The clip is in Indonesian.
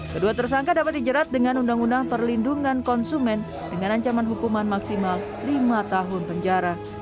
kedua tersangka dapat dijerat dengan undang undang perlindungan konsumen dengan ancaman hukuman maksimal lima tahun penjara